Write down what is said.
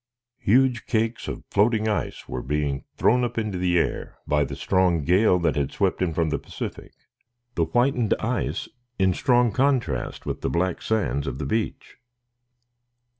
Huge cakes of floating ice were being thrown up into the air by the strong gale that swept in from the Pacific, the whitened ice in strong contrast with the black sands of the beach.